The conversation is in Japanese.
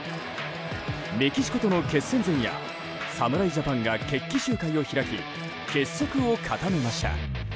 メキシコとの決戦前夜侍ジャパンが決起集会を開き結束を固めました。